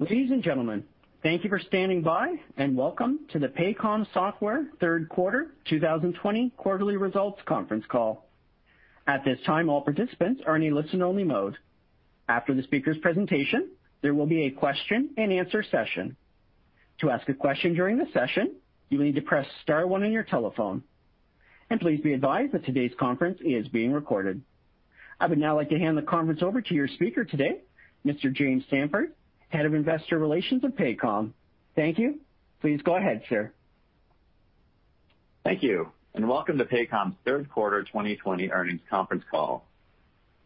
Ladies and gentlemen, thank you for standing by, and Welcome to the Paycom Software Third Quarter 2020 quarterly results conference call. At this time, all participants are in a listen-only mode. After the speaker's presentation, there will be a question-and-answer session. To ask a question during the session, you will need to press star one on your telephone. Please be advised that today's conference is being recorded. I would now like to hand the conference over to your speaker today, Mr. James Samford, Head of Investor Relations at Paycom. Thank you. Please go ahead, sir. Thank you, and Welcome to Paycom's Third Quarter 2020 Earnings Conference Call.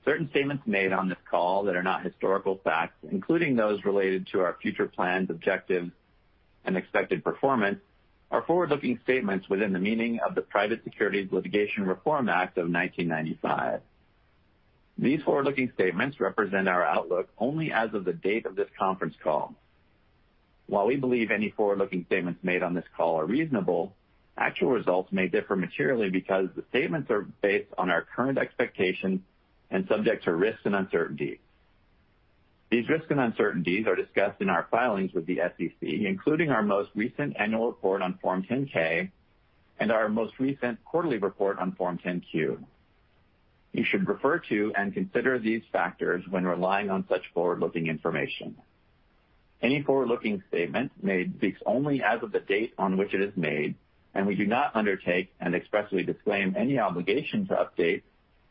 Certain statements made on this call that are not historical facts, including those related to our future plans, objectives, and expected performance, are forward-looking statements within the meaning of the Private Securities Litigation Reform Act of 1995. These forward-looking statements represent our outlook only as of the date of this conference call. While we believe any forward-looking statements made on this call are reasonable, actual results may differ materially because the statements are based on our current expectations and subject to risks and uncertainties. These risks and uncertainties are discussed in our filings with the SEC, including our most recent annual report on Form 10-K and our most recent quarterly report on Form 10-Q. You should refer to and consider these factors when relying on such forward-looking information. Any forward-looking statement made speaks only as of the date on which it is made, and we do not undertake and expressly disclaim any obligation to update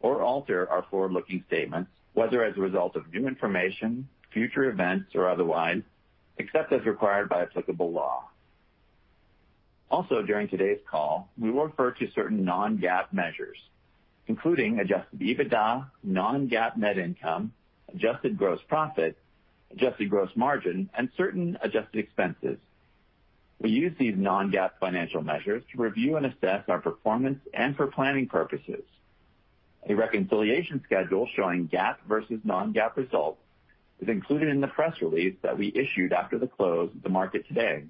or alter our forward-looking statements, whether as a result of new information, future events, or otherwise, except as required by applicable law. Also, during today's call, we will refer to certain non-GAAP measures, including adjusted EBITDA, non-GAAP net income, adjusted gross profit, adjusted gross margin, and certain adjusted expenses. We use these non-GAAP financial measures to review and assess our performance and for planning purposes. A reconciliation schedule showing GAAP versus non-GAAP results is included in the press release that we issued after the close of the market today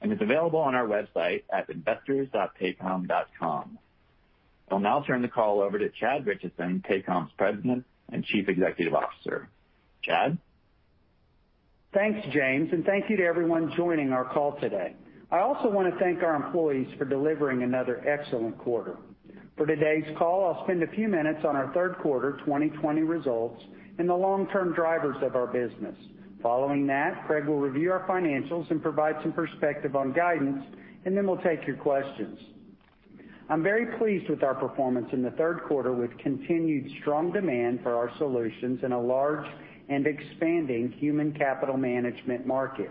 and is available on our website at investors.paycom.com. I'll now turn the call over to Chad Richison, Paycom's President and Chief Executive Officer. Chad? Thanks, James. Thank you to everyone joining our call today. I also want to thank our employees for delivering another excellent quarter. For today's call, I'll spend a few minutes on our third quarter 2020 results and the long-term drivers of our business. Following that, Craig will review our financials and provide some perspective on guidance, and then we'll take your questions. I'm very pleased with our performance in the third quarter, with continued strong demand for our solutions in a large and expanding human capital management market.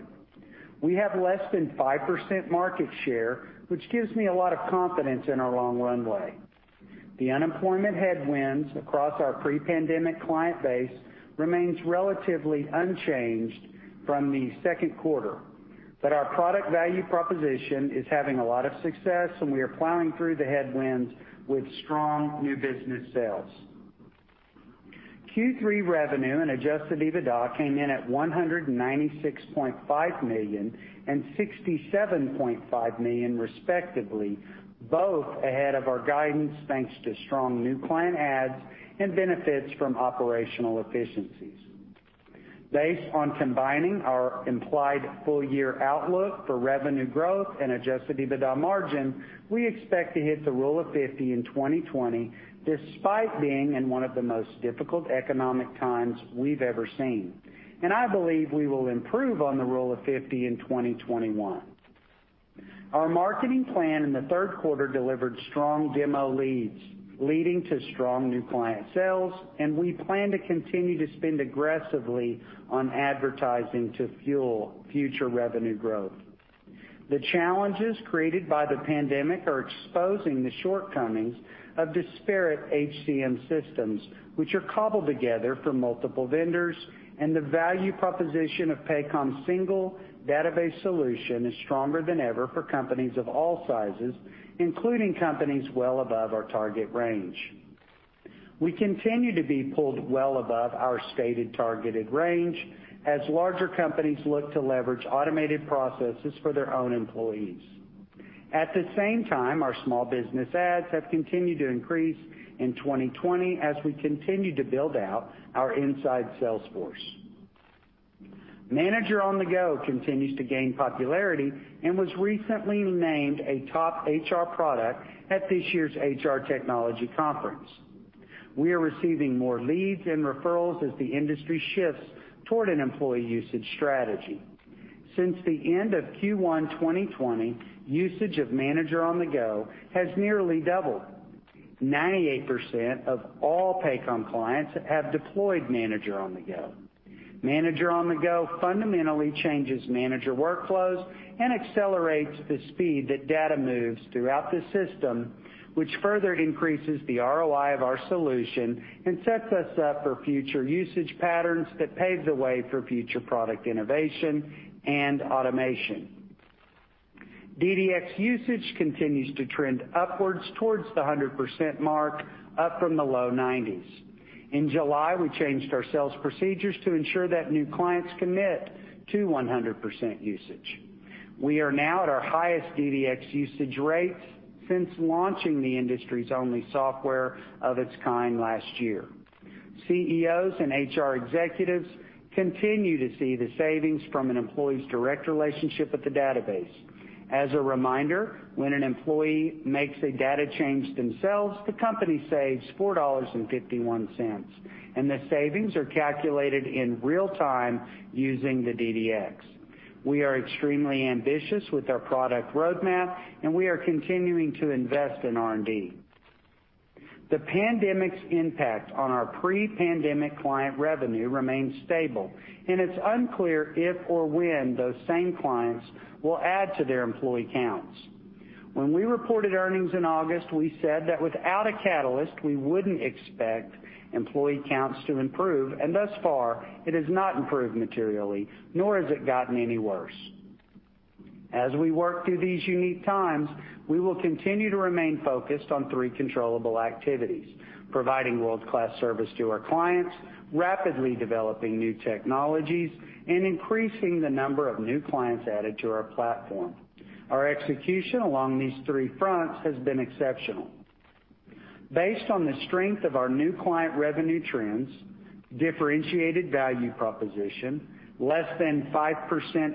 We have less than 5% market share, which gives me a lot of confidence in our long runway. The unemployment headwinds across our pre-pandemic client base remains relatively unchanged from the second quarter, but our product value proposition is having a lot of success, and we are plowing through the headwinds with strong new business sales. Q3 revenue and adjusted EBITDA came in at $196.5 million and $67.5 million respectively, both ahead of our guidance, thanks to strong new client adds and benefits from operational efficiencies. Based on combining our implied full-year outlook for revenue growth and adjusted EBITDA margin, we expect to hit the Rule of 50 in 2020, despite being in one of the most difficult economic times we've ever seen. I believe we will improve on the Rule of 50 in 2021. Our marketing plan in the third quarter delivered strong demo leads, leading to strong new client sales, and we plan to continue to spend aggressively on advertising to fuel future revenue growth. The challenges created by the pandemic are exposing the shortcomings of disparate HCM systems, which are cobbled together from multiple vendors, and the value proposition of Paycom's single database solution is stronger than ever for companies of all sizes, including companies well above our target range. We continue to be pulled well above our stated targeted range as larger companies look to leverage automated processes for their own employees. At the same time, our small business adds have continued to increase in 2020 as we continue to build out our inside sales force. Manager on-the-Go continues to gain popularity and was recently named a top HR product at this year's HR Technology Conference. We are receiving more leads and referrals as the industry shifts toward an employee usage strategy. Since the end of Q1 2020, usage of Manager on-the-Go has nearly doubled. 98% of all Paycom clients have deployed Manager on-the-Go. Manager on-the-Go fundamentally changes manager workflows and accelerates the speed that data moves throughout the system, which further increases the ROI of our solution and sets us up for future usage patterns that pave the way for future product innovation and automation. DDX usage continues to trend upwards towards the 100% mark, up from the low 90s. In July, we changed our sales procedures to ensure that new clients commit to 100% usage. We are now at our highest DDX usage rates since launching the industry's only software of its kind last year. CEOs and HR executives continue to see the savings from an employee's direct relationship with the database. As a reminder, when an employee makes a data change themselves, the company saves $4.51. The savings are calculated in real-time using the DDX. We are extremely ambitious with our product roadmap, and we are continuing to invest in R&D. The pandemic's impact on our pre-pandemic client revenue remains stable, and it's unclear if or when those same clients will add to their employee counts. When we reported earnings in August, we said that without a catalyst, we wouldn't expect employee counts to improve, and thus far, it has not improved materially, nor has it gotten any worse. As we work through these unique times, we will continue to remain focused on three controllable activities, providing world-class service to our clients, rapidly developing new technologies, and increasing the number of new clients added to our platform. Our execution along these three fronts has been exceptional. Based on the strength of our new client revenue trends, differentiated value proposition, less than 5%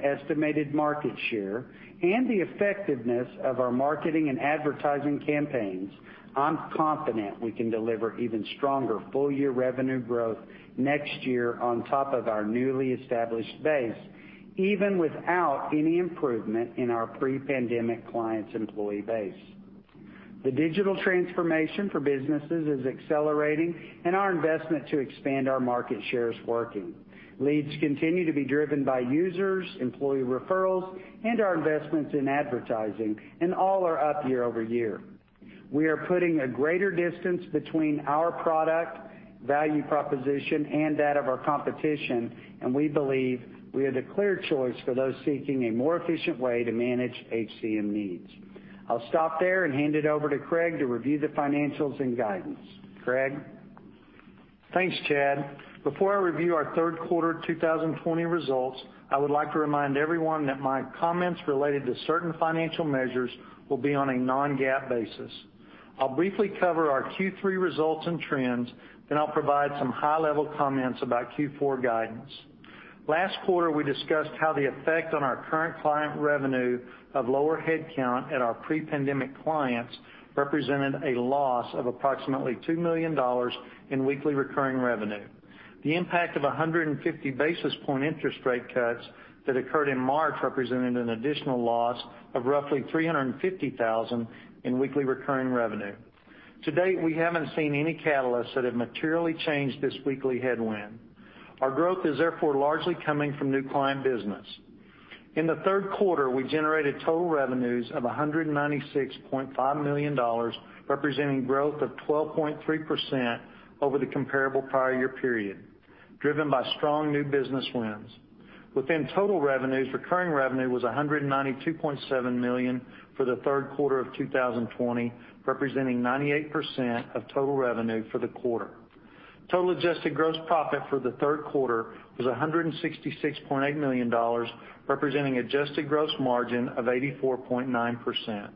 estimated market share, and the effectiveness of our marketing and advertising campaigns, I'm confident we can deliver even stronger full-year revenue growth next year on top of our newly established base, even without any improvement in our pre-pandemic clients' employee base. The digital transformation for businesses is accelerating, and our investment to expand our market share is working. Leads continue to be driven by users, employee referrals, and our investments in advertising, and all are up year-over-year. We are putting a greater distance between our product value proposition and that of our competition, and we believe we are the clear choice for those seeking a more efficient way to manage HCM needs. I'll stop there and hand it over to Craig to review the financials and guidance. Craig? Thanks, Chad. Before I review our third quarter 2020 results, I would like to remind everyone that my comments related to certain financial measures will be on a non-GAAP basis. I'll briefly cover our Q3 results and trends, then I'll provide some high-level comments about Q4 guidance. Last quarter, we discussed how the effect on our current client revenue of lower headcount at our pre-pandemic clients represented a loss of approximately $2 million in weekly recurring revenue. The impact of 150 basis point interest rate cuts that occurred in March represented an additional loss of roughly $350,000 in weekly recurring revenue. To date, we haven't seen any catalysts that have materially changed this weekly headwind. Our growth is therefore largely coming from new client business. In the third quarter, we generated total revenues of $196.5 million, representing growth of 12.3% over the comparable prior year period, driven by strong new business wins. Within total revenues, recurring revenue was $192.7 million for the third quarter of 2020, representing 98% of total revenue for the quarter. Total adjusted gross profit for the third quarter was $166.8 million, representing adjusted gross margin of 84.9%.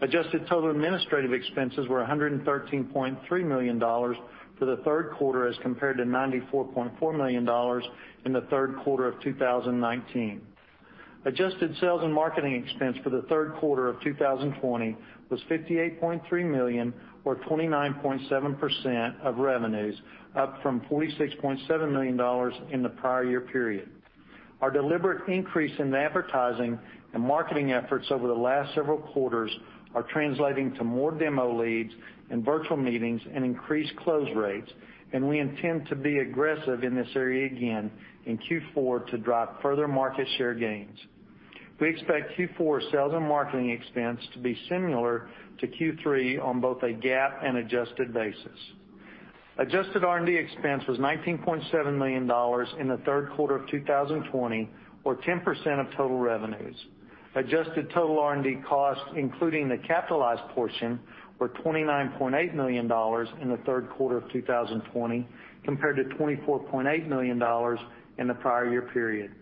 Adjusted total administrative expenses were $113.3 million for the third quarter as compared to $94.4 million in the third quarter of 2019. Adjusted sales and marketing expense for the third quarter of 2020 was $58.3 million or 29.7% of revenues, up from $46.7 million in the prior year period. Our deliberate increase in advertising and marketing efforts over the last several quarters are translating to more demo leads and virtual meetings and increased close rates, and we intend to be aggressive in this area again in Q4 to drive further market share gains. We expect Q4 sales and marketing expense to be similar to Q3 on both a GAAP and adjusted basis. Adjusted R&D expense was $19.7 million in the third quarter of 2020 or 10% of total revenues. Adjusted total R&D costs, including the capitalized portion, were $29.8 million in the third quarter of 2020, compared to $24.8 million in the prior year period.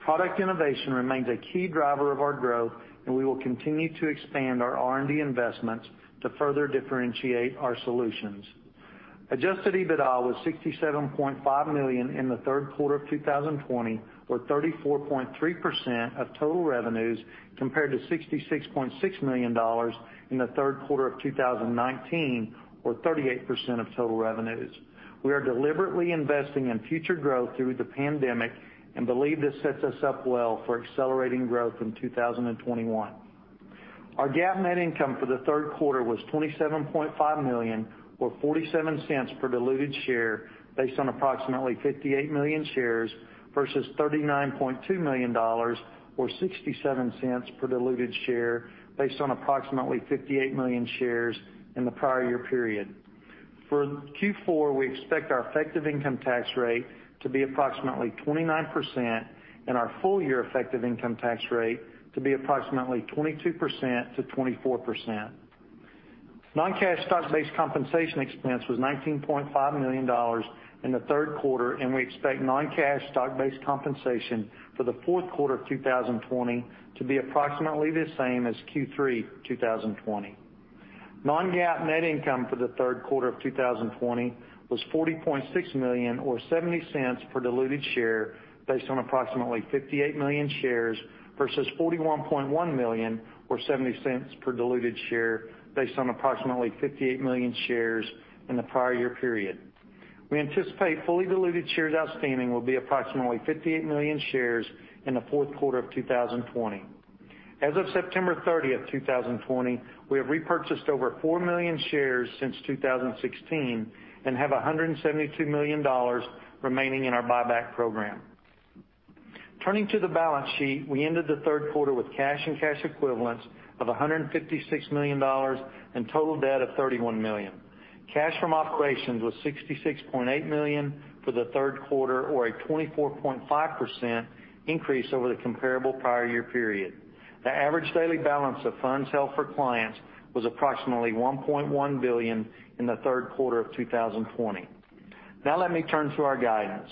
Product innovation remains a key driver of our growth, and we will continue to expand our R&D investments to further differentiate our solutions. Adjusted EBITDA was $67.5 million in the third quarter of 2020 or 34.3% of total revenues compared to $66.6 million in the third quarter of 2019 or 38% of total revenues. We are deliberately investing in future growth through the pandemic and believe this sets us up well for accelerating growth in 2021. Our GAAP net income for the third quarter was $27.5 million or $0.47 per diluted share based on approximately 58 million shares versus $39.2 million or $0.67 per diluted share based on approximately 58 million shares in the prior year period. For Q4, we expect our effective income tax rate to be approximately 29% and our full-year effective income tax rate to be approximately 22%-24%. Non-cash stock-based compensation expense was $19.5 million in the third quarter, and we expect non-cash stock-based compensation for the fourth quarter of 2020 to be approximately the same as Q3 2020. non-GAAP net income for the third quarter of 2020 was $40.6 million, or $0.70 per diluted share, based on approximately 58 million shares, versus $41.1 million, or $0.70 per diluted share, based on approximately 58 million shares in the prior year period. We anticipate fully diluted shares outstanding will be approximately 58 million shares in the fourth quarter of 2020. As of September 30, 2020, we have repurchased over 4 million shares since 2016 and have $172 million remaining in our buyback program. Turning to the balance sheet, we ended the third quarter with cash and cash equivalents of $156 million and total debt of $31 million. Cash from operations was $66.8 million for the third quarter, or a 24.5% increase over the comparable prior year period. The average daily balance of funds held for clients was approximately $1.1 billion in the third quarter of 2020. Let me turn to our guidance.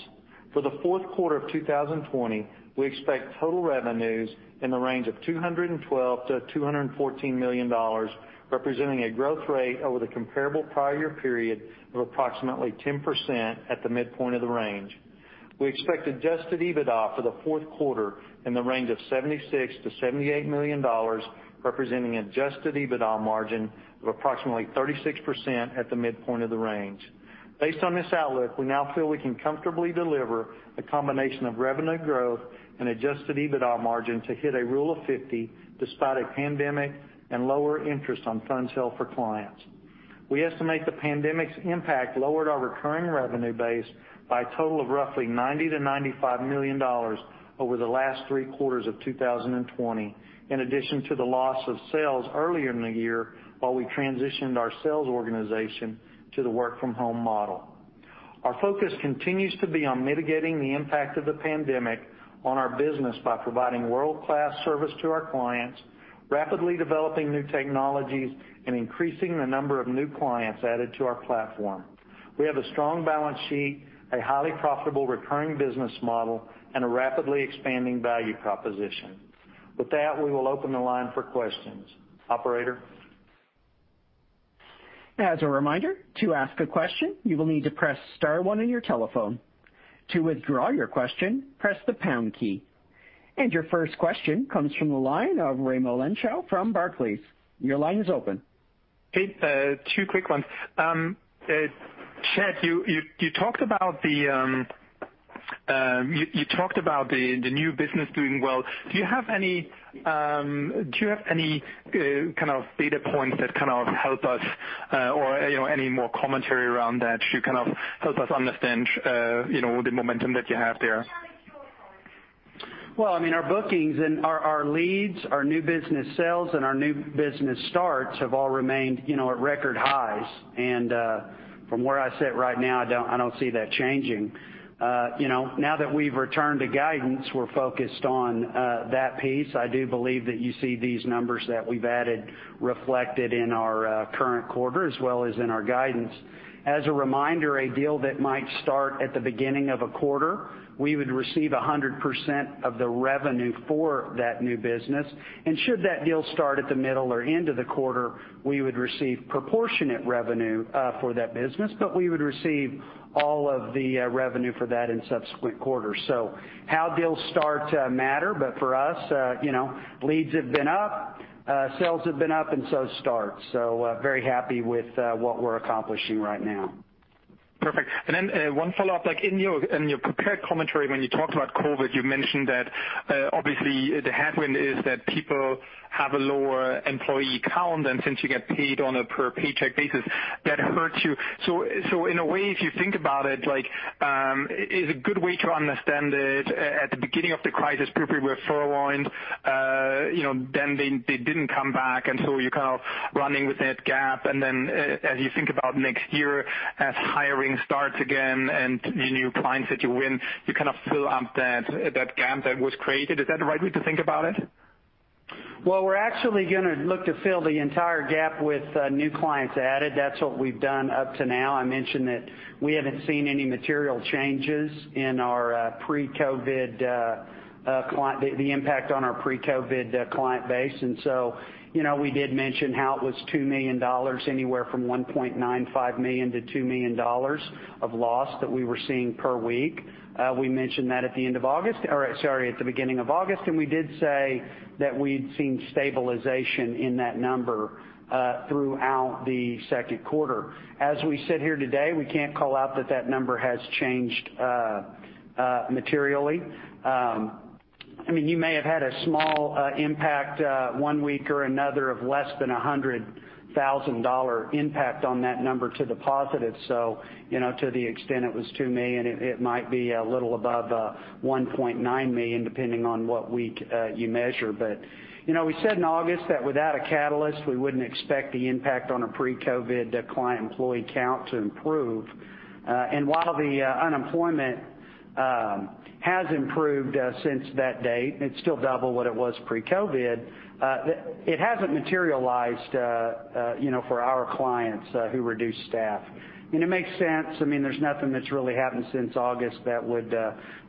For the fourth quarter of 2020, we expect total revenues in the range of $212 million-$214 million, representing a growth rate over the comparable prior year period of approximately 10% at the midpoint of the range. We expect adjusted EBITDA for the fourth quarter in the range of $76 million-$78 million, representing adjusted EBITDA margin of approximately 36% at the midpoint of the range. Based on this outlook, we now feel we can comfortably deliver a combination of revenue growth and adjusted EBITDA margin to hit a Rule of 50, despite a pandemic and lower interest on funds held for clients. We estimate the pandemic's impact lowered our recurring revenue base by a total of roughly $90 million-$95 million over the last three quarters of 2020, in addition to the loss of sales earlier in the year while we transitioned our sales organization to the work-from-home model. Our focus continues to be on mitigating the impact of the pandemic on our business by providing world-class service to our clients, rapidly developing new technologies, and increasing the number of new clients added to our platform. We have a strong balance sheet, a highly profitable recurring business model, and a rapidly expanding value proposition. With that, we will open the line for questions. Operator? As a reminder, to ask a question, you will need to press star one on your telephone. To withdraw your question, press the # key. Your first question comes from the line of Raimo Lenschow from Barclays. Your line is open. Okay, two quick ones. Chad, you talked about the new business doing well. Do you have any kind of data points that help us or any more commentary around that to help us understand the momentum that you have there? Well, our bookings and our leads, our new business sales, and our new business starts have all remained at record highs. From where I sit right now, I don't see that changing. Now that we've returned to guidance, we're focused on that piece. I do believe that you see these numbers that we've added reflected in our current quarter as well as in our guidance. As a reminder, a deal that might start at the beginning of a quarter, we would receive 100% of the revenue for that new business. Should that deal start at the middle or end of the quarter, we would receive proportionate revenue for that business, but we would receive all of the revenue for that in subsequent quarters. How deals start matter, but for us, leads have been up, sales have been up, and so starts. Very happy with what we're accomplishing right now. Perfect. Then one follow-up. In your prepared commentary, when you talked about COVID, you mentioned that obviously the headwind is that people have a lower employee count, and since you get paid on a per paycheck basis, that hurts you. In a way, if you think about it, is a good way to understand it, at the beginning of the crisis, people were furloughed, then they didn't come back, you're running with that gap. Then as you think about next year, as hiring starts again and the new clients that you win, you fill up that gap that was created. Is that the right way to think about it? Well, we're actually going to look to fill the entire gap with new clients added. That's what we've done up to now. I mentioned that we haven't seen any material changes in the impact on our pre-COVID client base. We did mention how it was $2 million, anywhere from $1.95 million-$2 million of loss that we were seeing per week. We mentioned that at the beginning of August, and we did say that we'd seen stabilization in that number throughout the second quarter. As we sit here today, we can't call out that that number has changed materially. You may have had a small impact one week or another of less than $100,000 impact on that number to the positive. To the extent it was $2 million, it might be a little above $1.9 million, depending on what week you measure. We said in August that without a catalyst, we wouldn't expect the impact on a pre-COVID client employee count to improve. While the unemployment has improved since that date, it's still double what it was pre-COVID. It hasn't materialized for our clients who reduced staff. It makes sense. There's nothing that's really happened since August that would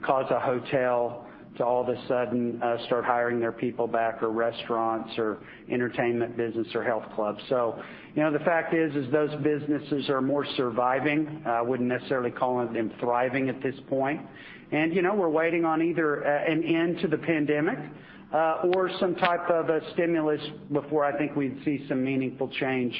cause a hotel to all of a sudden start hiring their people back, or restaurants or entertainment business or health clubs. The fact is those businesses are more surviving. I wouldn't necessarily call them thriving at this point. We're waiting on either an end to the pandemic or some type of stimulus before I think we'd see some meaningful change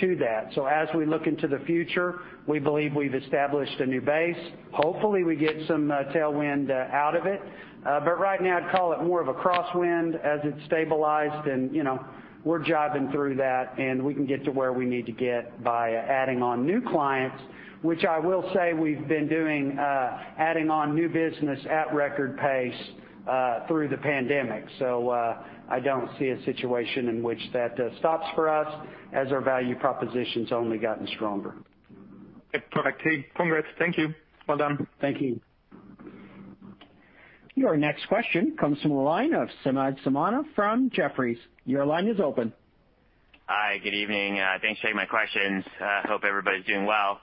to that. As we look into the future, we believe we've established a new base. Hopefully, we get some tailwind out of it. Right now, I'd call it more of a crosswind as it's stabilized, and we're jiving through that, and we can get to where we need to get by adding on new clients, which I will say we've been doing, adding on new business at record pace through the pandemic. I don't see a situation in which that stops for us as our value proposition's only gotten stronger. Perfect. Congrats. Thank you. Well done. Thank you. Your next question comes from the line of Samad Samana from Jefferies. Your line is open. Hi, good evening. Thanks for taking my questions. Hope everybody's doing well.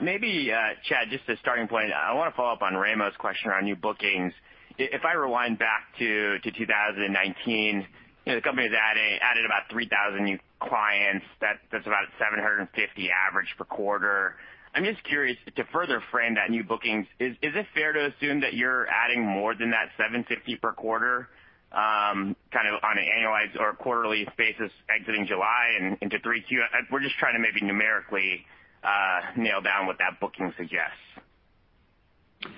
Maybe, Chad, just as a starting point, I want to follow up on Raimo's question around new bookings. If I rewind back to 2019, the company has added about 3,000 new clients. That's about 750 average per quarter. I'm just curious, to further frame that new bookings, is it fair to assume that you're adding more than that 750 per quarter on an annualized or quarterly basis exiting July and into 3Q? We're just trying to maybe numerically nail down what that booking suggests. Yeah.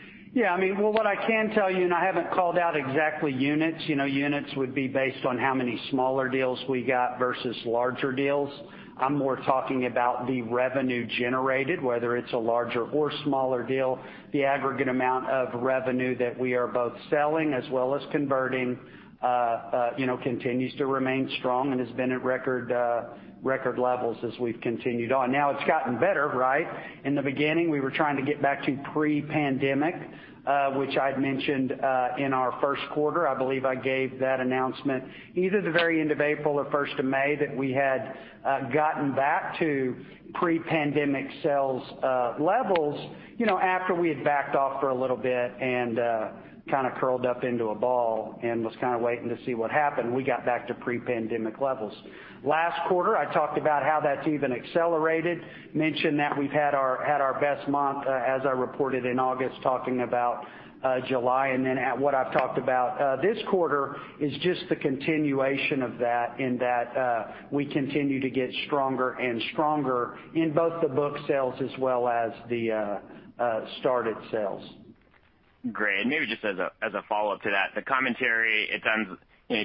What I can tell you, I haven't called out exactly units. Units would be based on how many smaller deals we got versus larger deals. I'm more talking about the revenue generated, whether it's a larger or smaller deal. The aggregate amount of revenue that we are both selling as well as converting continues to remain strong and has been at record levels as we've continued on. It's gotten better, right? In the beginning, we were trying to get back to pre-pandemic, which I'd mentioned in our first quarter. I believe I gave that announcement either the very end of April or 1st of May that we had gotten back to pre-pandemic sales levels after we had backed off for a little bit and curled up into a ball and was waiting to see what happened. We got back to pre-pandemic levels. Last quarter, I talked about how that's even accelerated, mentioned that we've had our best month as I reported in August talking about July. What I've talked about this quarter is just the continuation of that in that we continue to get stronger and stronger in both the book sales as well as the started sales. Great. Maybe just as a follow-up to that, the commentary,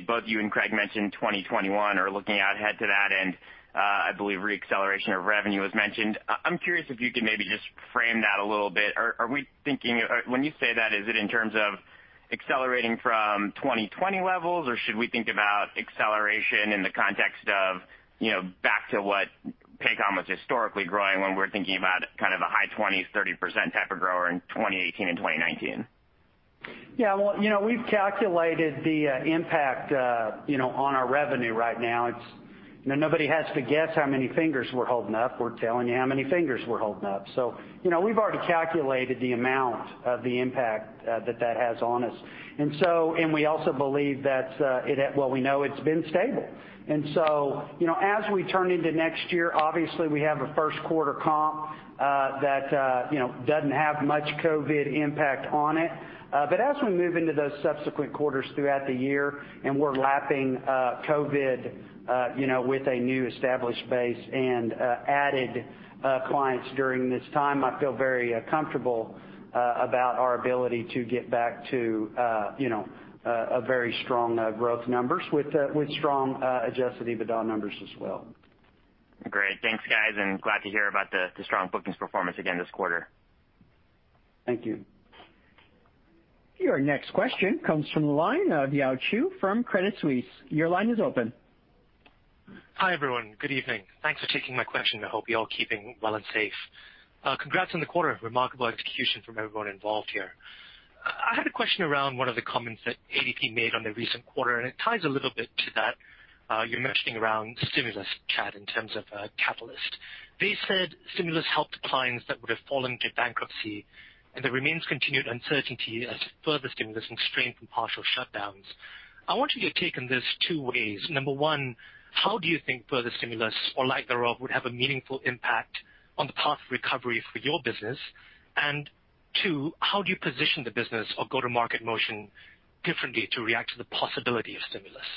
both you and Craig mentioned 2021 or looking ahead to that, and I believe re-acceleration of revenue was mentioned. I'm curious if you could maybe just frame that a little bit. When you say that, is it in terms of accelerating from 2020 levels, or should we think about acceleration in the context of back to what Paycom was historically growing when we're thinking about a high 20%, 30% type of grower in 2018 and 2019? Yeah. We've calculated the impact on our revenue right now. Nobody has to guess how many fingers we're holding up. We're telling you how many fingers we're holding up. We've already calculated the amount of the impact that that has on us. We know it's been stable. As we turn into next year, obviously we have a first quarter comp that doesn't have much COVID impact on it. As we move into those subsequent quarters throughout the year and we're lapping COVID with a new established base and added clients during this time, I feel very comfortable about our ability to get back to very strong growth numbers with strong adjusted EBITDA numbers as well. Great. Thanks, guys, and glad to hear about the strong bookings performance again this quarter. Thank you. Your next question comes from the line of Yao Xu from Credit Suisse. Your line is open. Hi, everyone. Good evening. Thanks for taking my question. I hope you're all keeping well and safe. Congrats on the quarter. Remarkable execution from everyone involved here. I had a question around one of the comments that ADP made on the recent quarter, and it ties a little bit to that you're mentioning around stimulus, Chad, in terms of a catalyst. They said stimulus helped clients that would have fallen to bankruptcy, and there remains continued uncertainty as further stimulus and strain from partial shutdowns. I want you to take on this two ways. Number one, how do you think further stimulus or lack thereof would have a meaningful impact on the path of recovery for your business? Two, how do you position the business or go-to-market motion differently to react to the possibility of stimulus?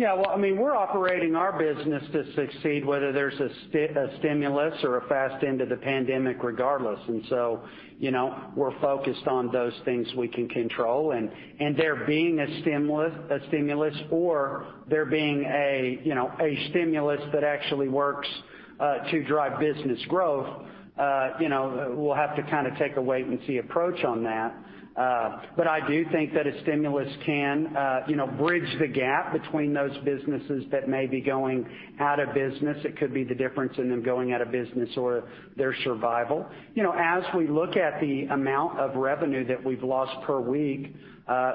Yeah. We're operating our business to succeed, whether there's a stimulus or a fast end to the pandemic regardless. We're focused on those things we can control. There being a stimulus or there being a stimulus that actually works to drive business growth, we'll have to take a wait and see approach on that. I do think that a stimulus can bridge the gap between those businesses that may be going out of business. It could be the difference in them going out of business or their survival. As we look at the amount of revenue that we've lost per week,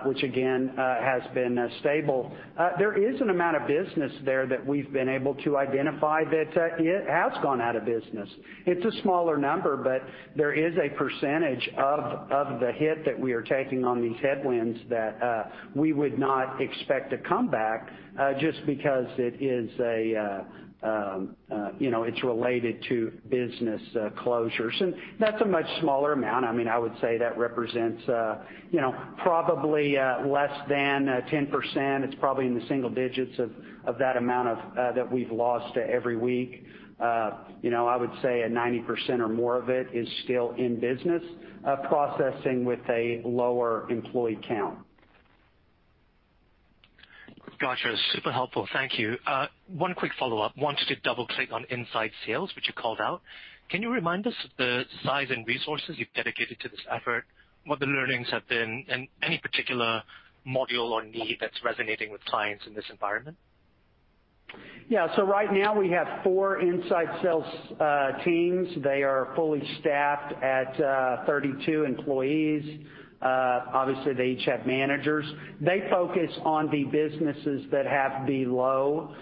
which again, has been stable, there is an amount of business there that we've been able to identify that it has gone out of business. It's a smaller number. There is a percentage of the hit that we are taking on these headwinds that we would not expect to come back, just because it's related to business closures. That's a much smaller amount. I would say that represents probably less than 10%. It's probably in the single digits of that amount that we've lost every week. I would say 90% or more of it is still in business, processing with a lower employee count. Got you. Super helpful. Thank you. One quick follow-up. Wanted to double click on inside sales, which you called out. Can you remind us of the size and resources you've dedicated to this effort, what the learnings have been, and any particular module or need that's resonating with clients in this environment? Right now, we have four inside sales teams. They are fully staffed at 32 employees. Obviously, they each have managers. They focus on the businesses that have below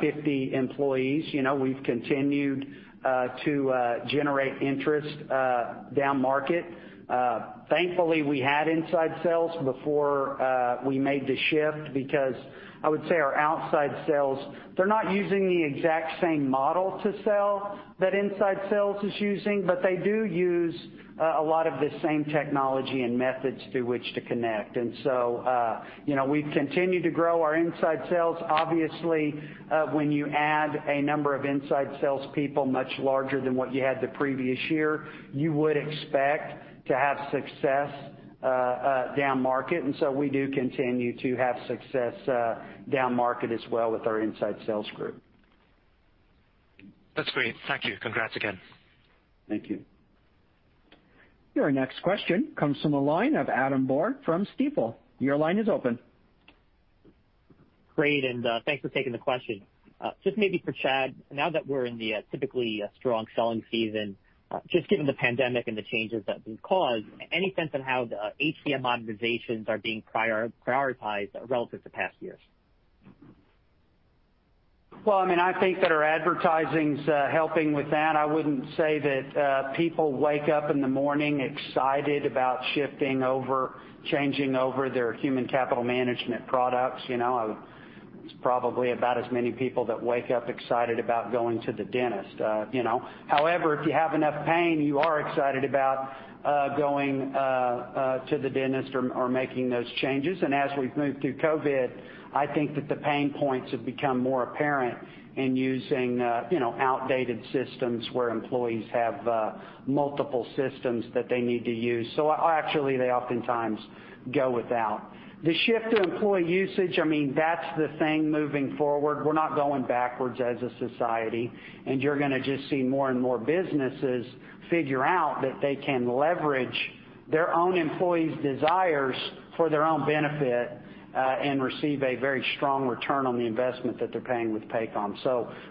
50 employees. We've continued to generate interest down market. Thankfully, we had inside sales before we made the shift because I would say our outside sales, they're not using the exact same model to sell that inside sales is using, but they do use a lot of the same technology and methods through which to connect. We've continued to grow our inside sales. Obviously, when you add a number of inside salespeople much larger than what you had the previous year, you would expect to have success down market. We do continue to have success down market as well with our inside sales group. That's great. Thank you. Congrats again. Thank you. Your next question comes from the line of Adam Borg from Stifel. Your line is open. Great, thanks for taking the question. Just maybe for Chad, now that we're in the typically strong selling season, just given the pandemic and the changes that we've caused, any sense on how the HCM modernizations are being prioritized relative to past years? Well, I think that our advertising's helping with that. I wouldn't say that people wake up in the morning excited about shifting over, changing over their human capital management products. It's probably about as many people that wake up excited about going to the dentist. However if you have enough pain, you are excited about going to the dentist or making those changes. As we've moved through COVID, I think that the pain points have become more apparent in using outdated systems where employees have multiple systems that they need to use. Actually, they oftentimes go without. The shift to employee usage, that's the thing moving forward. We're not going backwards as a society. You're going to just see more and more businesses figure out that they can leverage their own employees' desires for their own benefit, and receive a very strong return on the investment that they're paying with Paycom.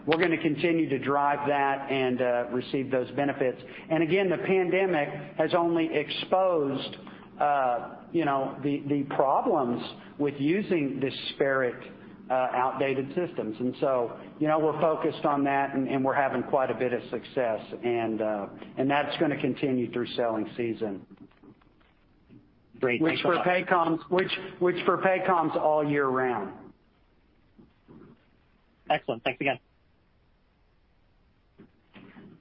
We're going to continue to drive that and receive those benefits. Again, the pandemic has only exposed the problems with using disparate, outdated systems. We're focused on that and we're having quite a bit of success. That's going to continue through selling season. Great. Thanks a lot. Which for Paycom's all year round. Excellent. Thanks again.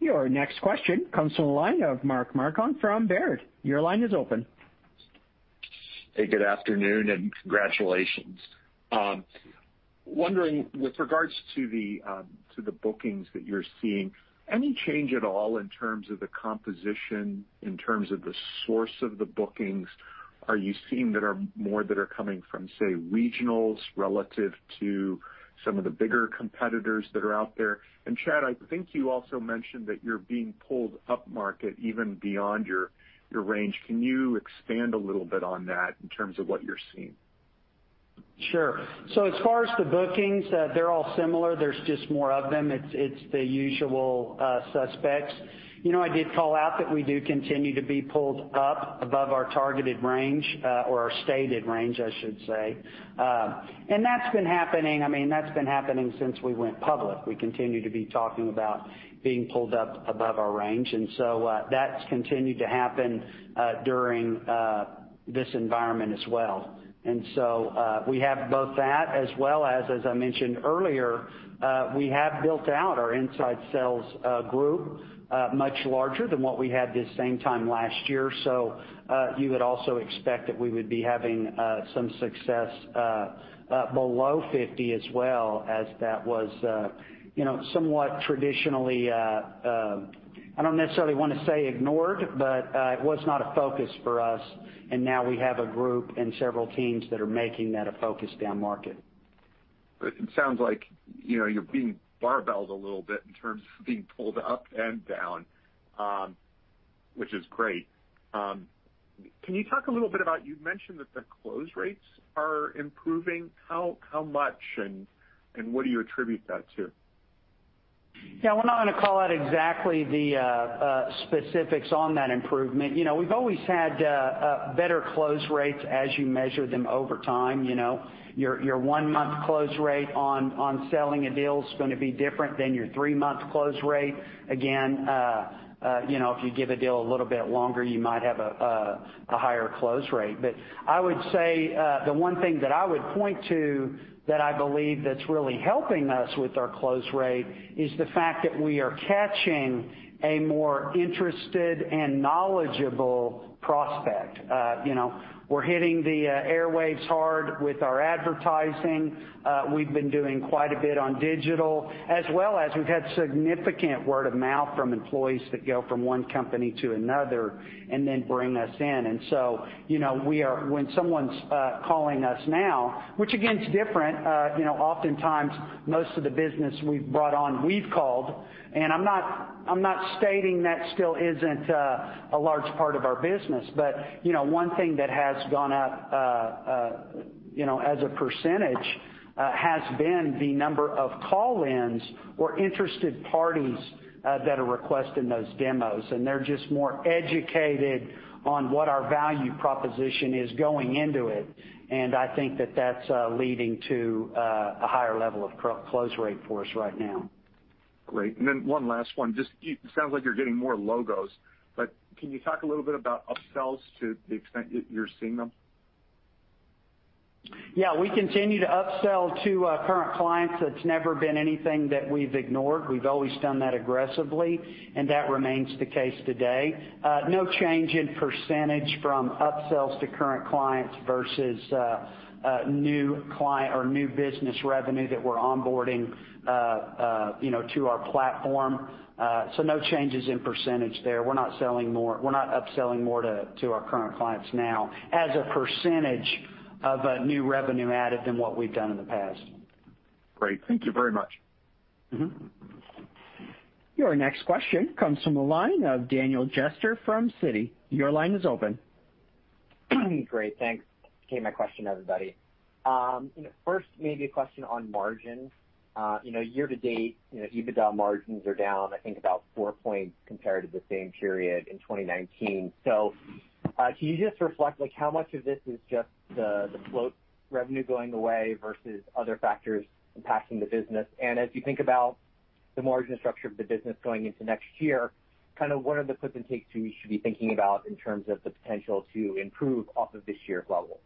Your next question comes from the line of Mark Marcon from Baird. Your line is open. Hey, good afternoon, and congratulations. Wondering with regards to the bookings that you're seeing, any change at all in terms of the composition, in terms of the source of the bookings? Are you seeing that are more that are coming from, say, regionals relative to some of the bigger competitors that are out there? Chad, I think you also mentioned that you're being pulled up market even beyond your range. Can you expand a little bit on that in terms of what you're seeing? Sure. As far as the bookings, they're all similar. There's just more of them. It's the usual suspects. I did call out that we do continue to be pulled up above our targeted range, or our stated range, I should say. That's been happening since we went public. We continue to be talking about being pulled up above our range. That's continued to happen during this environment as well. We have both that as well as I mentioned earlier, we have built out our inside sales group, much larger than what we had this same time last year. You would also expect that we would be having some success below 50 as well as that was somewhat traditionally, I don't necessarily want to say ignored, but it was not a focus for us. Now we have a group and several teams that are making that a focus down market. It sounds like you're being barbelled a little bit in terms of being pulled up and down, which is great. Can you talk a little bit about, you've mentioned that the close rates are improving. How much, and what do you attribute that to? Yeah. We're not going to call out exactly the specifics on that improvement. We've always had better close rates as you measure them over time. Your one-month close rate on selling a deal is going to be different than your three-month close rate. Again, if you give a deal a little bit longer, you might have a higher close rate. I would say, the one thing that I would point to that I believe that's really helping us with our close rate is the fact that we are catching a more interested and knowledgeable prospect. We're hitting the airwaves hard with our advertising. We've been doing quite a bit on digital, as well as we've had significant word of mouth from employees that go from one company to another and then bring us in. When someone's calling us now, which again, is different. Oftentimes, most of the business we've brought on, we've called. I'm not stating that still isn't a large part of our business. One thing that has gone up as a % has been the number of call-ins or interested parties that are requesting those demos, and they're just more educated on what our value proposition is going into it. I think that's leading to a higher level of close rate for us right now. Great. One last one. It sounds like you're getting more logos, but can you talk a little bit about upsells to the extent that you're seeing them? Yeah. We continue to upsell to our current clients. That's never been anything that we've ignored. We've always done that aggressively. That remains the case today. No change in percentage from upsells to current clients versus new business revenue that we're onboarding to our platform. No changes in percentage there. We're not upselling more to our current clients now as a percentage of new revenue added than what we've done in the past. Great. Thank you very much. Your next question comes from the line of Daniel Jester from Citi. Your line is open. Great. Thanks. My question, everybody. First, maybe a question on margin. Year to date, EBITDA margins are down, I think, about four points compared to the same period in 2019. Can you just reflect how much of this is just the float revenue going away versus other factors impacting the business? As you think about the margin structure of the business going into next year, what are the puts and takes you should be thinking about in terms of the potential to improve off of this year's level?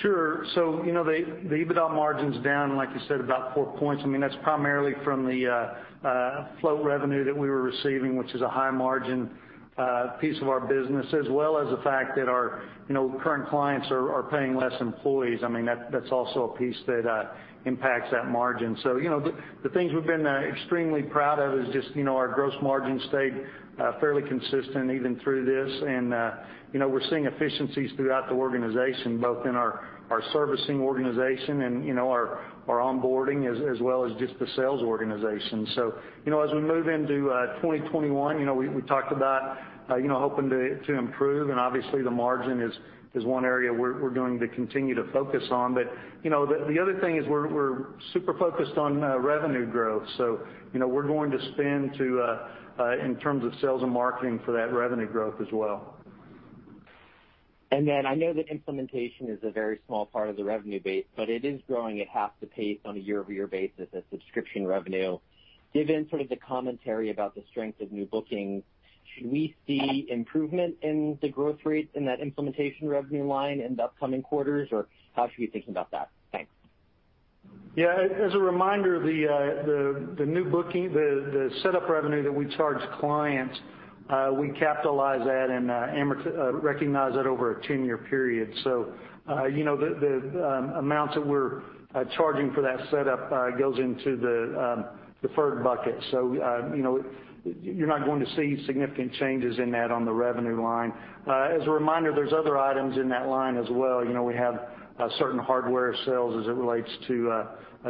Sure. The EBITDA margin's down, like you said, about four points. That's primarily from the float revenue that we were receiving, which is a high-margin piece of our business, as well as the fact that our current clients are paying less employees. That's also a piece that impacts that margin. The things we've been extremely proud of is just our gross margin stayed fairly consistent even through this, and we're seeing efficiencies throughout the organization, both in our servicing organization and our onboarding, as well as just the sales organization. As we move into 2021, we talked about hoping to improve, and obviously, the margin is one area we're going to continue to focus on. The other thing is we're super focused on revenue growth, so we're going to spend in terms of sales and marketing for that revenue growth as well. I know that implementation is a very small part of the revenue base, but it is growing at half the pace on a year-over-year basis as subscription revenue. Given sort of the commentary about the strength of new bookings, should we see improvement in the growth rate in that implementation revenue line in the upcoming quarters, or how should we think about that? Thanks. As a reminder, the setup revenue that we charge clients, we capitalize that and recognize that over a 10-year period. The amounts that we're charging for that setup goes into the deferred bucket. You're not going to see significant changes in that on the revenue line. As a reminder, there's other items in that line as well. We have certain hardware sales as it relates to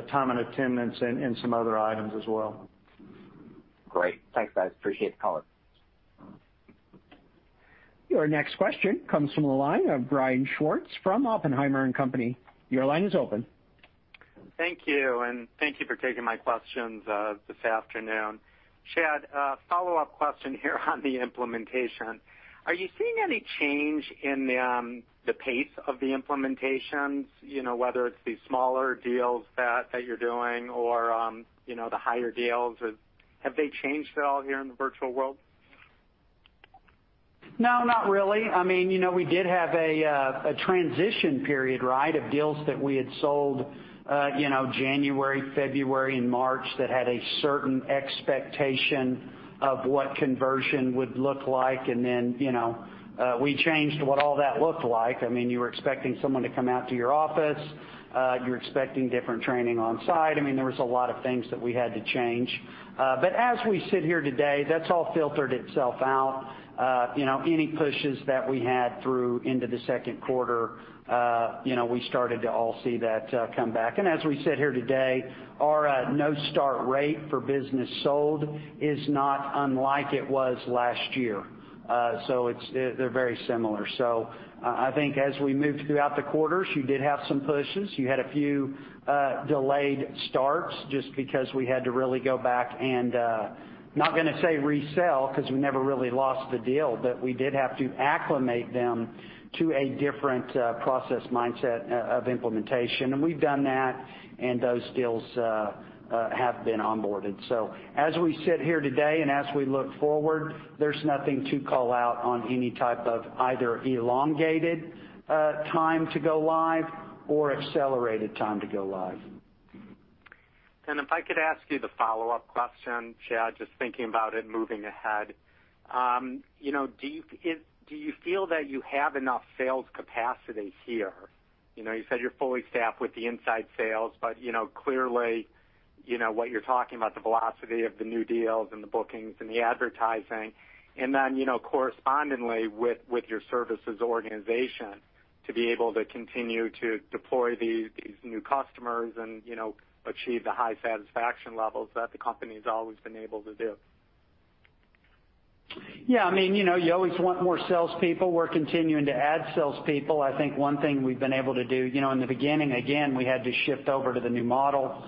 time and attendance and some other items as well. Great. Thanks, guys. Appreciate the call. Your next question comes from the line of Brian Schwartz from Oppenheimer & Co. Your line is open. Thank you, and thank you for taking my questions this afternoon. Chad, follow-up question here on the implementation. Are you seeing any change in the pace of the implementations, whether it's the smaller deals that you're doing or the higher deals? Have they changed at all here in the virtual world? No, not really. We did have a transition period of deals that we had sold January, February, and March that had a certain expectation of what conversion would look like, and then we changed what all that looked like. You were expecting someone to come out to your office, you were expecting different training on-site. There was a lot of things that we had to change. As we sit here today, that's all filtered itself out. Any pushes that we had through into the second quarter, we started to all see that come back. As we sit here today, our no-start rate for business sold is not unlike it was last year. They're very similar. I think as we moved throughout the quarters, you did have some pushes. You had a few delayed starts just because we had to really go back and, not going to say resell, because we never really lost the deal, but we did have to acclimate them to a different process mindset of implementation. We've done that, and those deals have been onboarded. As we sit here today and as we look forward, there's nothing to call out on any type of either elongated time to go live or accelerated time to go live. If I could ask you the follow-up question, Chad, just thinking about it moving ahead, do you feel that you have enough sales capacity here? You said you're fully staffed with the inside sales, but clearly, what you're talking about, the velocity of the new deals and the bookings and the advertising, and then correspondingly with your services organization to be able to continue to deploy these new customers and achieve the high satisfaction levels that the company's always been able to do. You always want more salespeople. We're continuing to add salespeople. I think one thing we've been able to do, in the beginning, again, we had to shift over to the new model.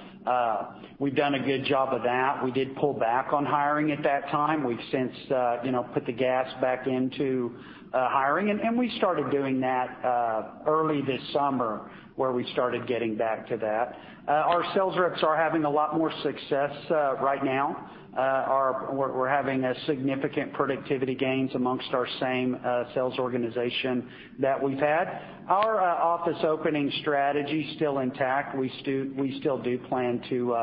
We've done a good job of that. We did pull back on hiring at that time. We've since put the gas back into hiring. We started doing that early this summer, where we started getting back to that. Our sales reps are having a lot more success right now. We're having significant productivity gains amongst our same sales organization that we've had. Our office opening strategy's still intact. We still do plan to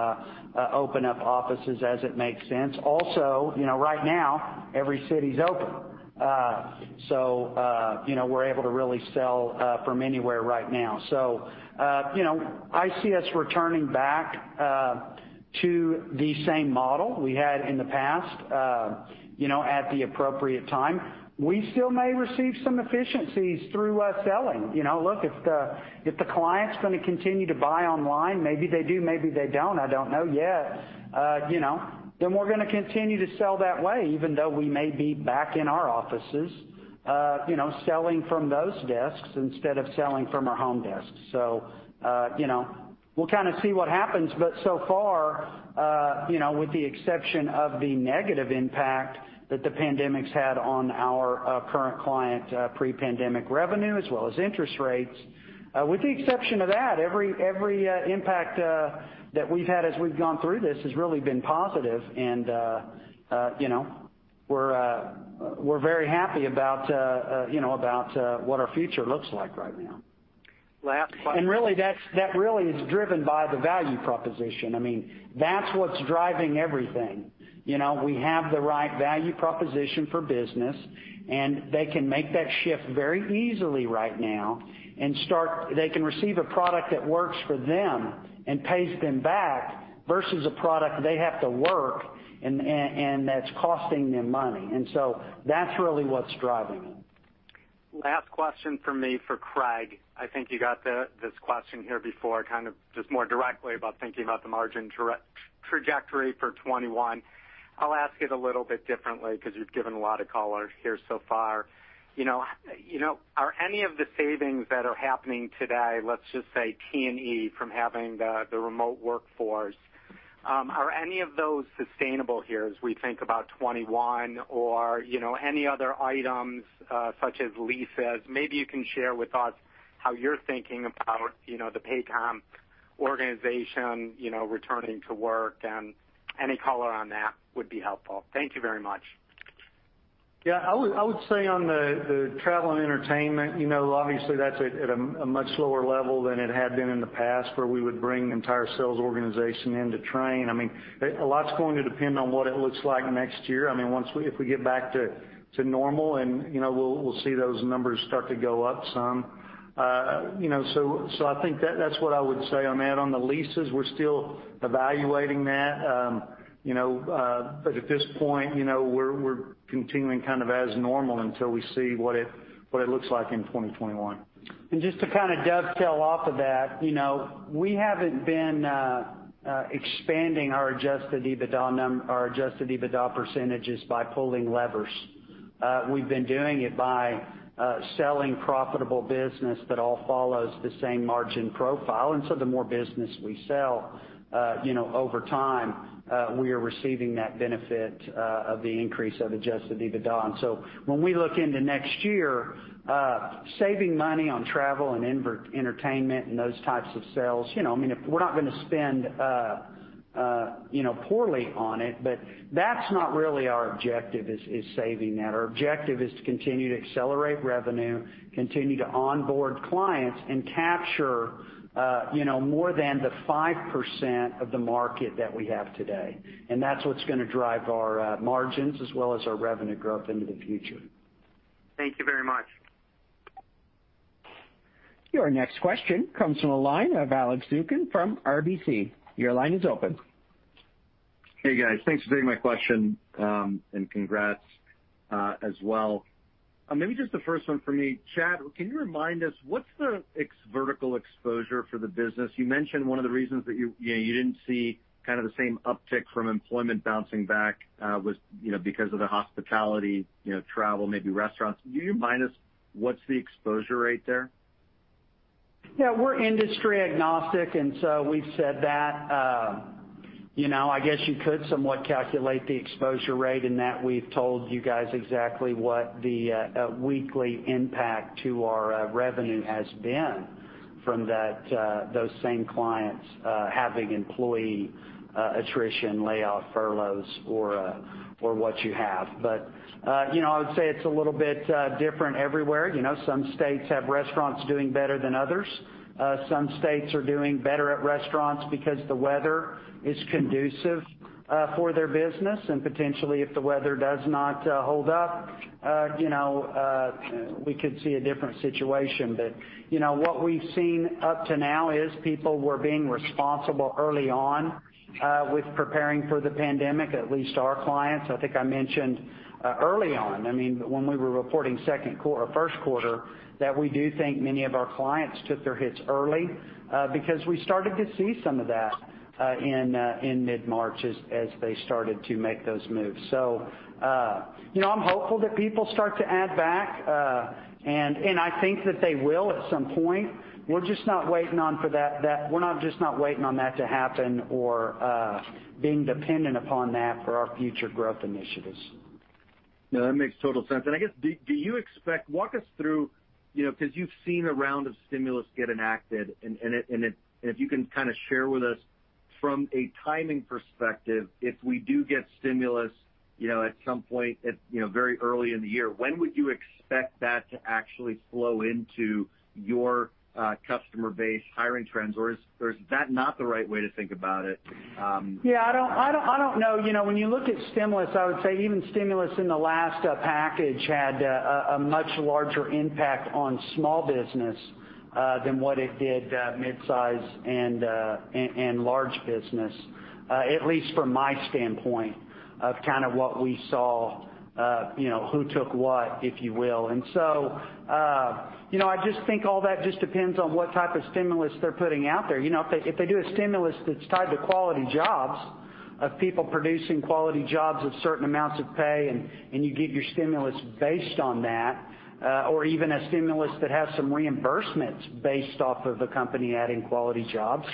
open up offices as it makes sense. Right now, every city's open. We're able to really sell from anywhere right now. I see us returning back to the same model we had in the past at the appropriate time. We still may receive some efficiencies through us selling. Look, if the client's going to continue to buy online, maybe they do, maybe they don't, I don't know yet, then we're going to continue to sell that way, even though we may be back in our offices selling from those desks instead of selling from our home desks. We'll kind of see what happens. So far, with the exception of the negative impact that the pandemic's had on our current client pre-pandemic revenue as well as interest rates, with the exception of that, every impact that we've had as we've gone through this has really been positive, and we're very happy about what our future looks like right now. Last- That really is driven by the value proposition. That's what's driving everything. We have the right value proposition for business, and they can make that shift very easily right now and they can receive a product that works for them and pays them back versus a product they have to work and that's costing them money. That's really what's driving it. Last question from me for Craig. I think you got this question here before, kind of just more directly about thinking about the margin trajectory for 2021. I'll ask it a little bit differently because you've given a lot of color here so far. Are any of the savings that are happening today, let's just say T&E from having the remote workforce, are any of those sustainable here as we think about 2021 or any other items such as leases? Maybe you can share with us how you're thinking about the Paycom organization returning to work and any color on that would be helpful. Thank you very much. I would say on the travel and entertainment, obviously that's at a much lower level than it had been in the past where we would bring the entire sales organization in to train. A lot's going to depend on what it looks like next year. If we get back to normal and we'll see those numbers start to go up some. I think that's what I would say on that. On the leases, we're still evaluating that. At this point we're continuing kind of as normal until we see what it looks like in 2021. Just to kind of dovetail off of that, we haven't been expanding our adjusted EBITDA percentages by pulling levers. We've been doing it by selling profitable business that all follows the same margin profile. So the more business we sell over time, we are receiving that benefit of the increase of adjusted EBITDA. When we look into next year, saving money on travel and entertainment and those types of sales, we're not going to spend poorly on it, but that's not really our objective is saving that. Our objective is to continue to accelerate revenue, continue to onboard clients, and capture more than the 5% of the market that we have today. That's what's going to drive our margins as well as our revenue growth into the future. Thank you very much. Your next question comes from the line of Alex Zukin from RBC Capital Markets. Your line is open. Hey, guys. Thanks for taking my question. Congrats as well. Maybe just the first one for me. Chad, can you remind us what's the vertical exposure for the business? You mentioned one of the reasons that you didn't see the same uptick from employment bouncing back was because of the hospitality, travel, maybe restaurants. Can you remind us what's the exposure rate there? Yeah, we're industry agnostic, we've said that. I guess you could somewhat calculate the exposure rate in that we've told you guys exactly what the weekly impact to our revenue has been from those same clients having employee attrition, layoff, furloughs, or what you have. I would say it's a little bit different everywhere. Some states have restaurants doing better than others. Some states are doing better at restaurants because the weather is conducive for their business, potentially if the weather does not hold up, we could see a different situation. What we've seen up to now is people were being responsible early on with preparing for the pandemic, at least our clients. I think I mentioned early on, when we were reporting first quarter, that we do think many of our clients took their hits early, because we started to see some of that in mid-March as they started to make those moves. I'm hopeful that people start to add back, and I think that they will at some point. We're just not waiting on for that to happen or being dependent upon that for our future growth initiatives. No, that makes total sense. I guess, walk us through, because you've seen a round of stimulus get enacted, and if you can share with us from a timing perspective, if we do get stimulus at some point very early in the year, when would you expect that to actually flow into your customer base hiring trends? Or is that not the right way to think about it? Yeah, I don't know. When you look at stimulus, I would say even stimulus in the last package had a much larger impact on small business than what it did mid-size and large business, at least from my standpoint of what we saw, who took what, if you will. I just think all that just depends on what type of stimulus they're putting out there. If they do a stimulus that's tied to quality jobs, of people producing quality jobs at certain amounts of pay, and you give your stimulus based on that, or even a stimulus that has some reimbursements based off of a company adding quality jobs,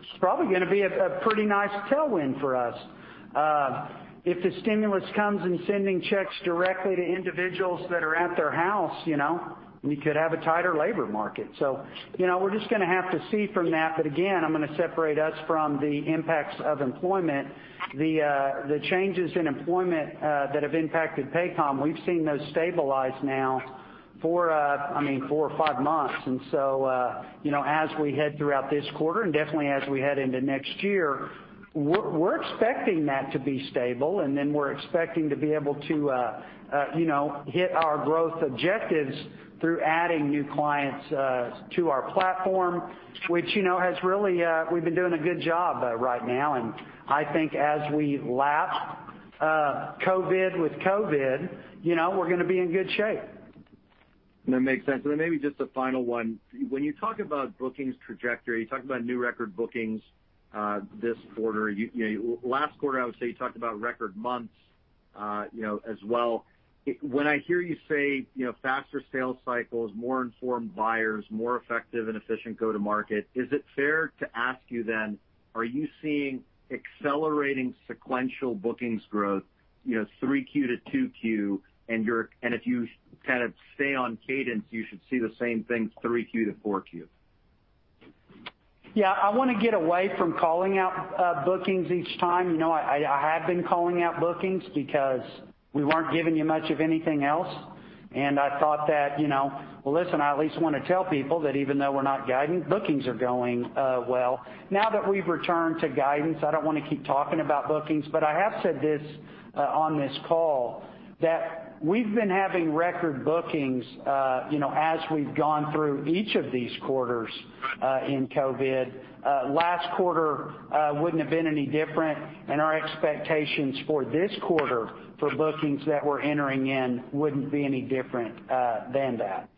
it's probably going to be a pretty nice tailwind for us. If the stimulus comes in sending checks directly to individuals that are at their house, we could have a tighter labor market. We're just going to have to see from that. Again, I'm going to separate us from the impacts of employment. The changes in employment that have impacted Paycom, we've seen those stabilize now for four or five months. As we head throughout this quarter, and definitely as we head into next year, we're expecting that to be stable. Then we're expecting to be able to hit our growth objectives through adding new clients to our platform, which we've been doing a good job right now, and I think as we lap COVID with COVID, we're going to be in good shape. That makes sense. Then maybe just a final one. When you talk about bookings trajectory, you talk about new record bookings this quarter. Last quarter, I would say you talked about record months as well. When I hear you say faster sales cycles, more informed buyers, more effective and efficient go-to market, is it fair to ask you then, are you seeing accelerating sequential bookings growth 3Q-2Q, and if you stay on cadence, you should see the same thing 3Q-4Q? Yeah, I want to get away from calling out bookings each time. I have been calling out bookings because we weren't giving you much of anything else, and I thought that, well, listen, I at least want to tell people that even though we're not guiding, bookings are going well. Now that we've returned to guidance, I don't want to keep talking about bookings, but I have said this on this call, that we've been having record bookings as we've gone through each of these quarters in COVID. Last quarter wouldn't have been any different, and our expectations for this quarter for bookings that we're entering in wouldn't be any different than that.